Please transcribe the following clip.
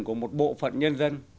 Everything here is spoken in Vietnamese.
của một bộ phận nhân dân